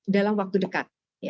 dalam waktu dekat